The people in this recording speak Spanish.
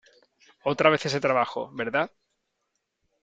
otra vez ese trabajo ,¿ verdad ?